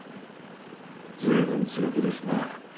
随分強気ですね。